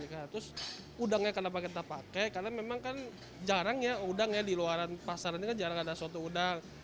terus udangnya kenapa kita pakai karena memang kan jarang udangnya di luar pasar jarang ada soto udang